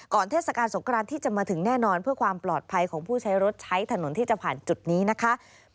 เทศกาลสงครานที่จะมาถึงแน่นอนเพื่อความปลอดภัยของผู้ใช้รถใช้ถนนที่จะผ่านจุดนี้นะคะ